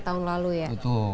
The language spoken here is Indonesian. tahun lalu ya